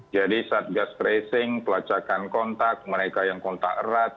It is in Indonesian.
jadi satgas pressing pelacakan kontak mereka yang kontak erat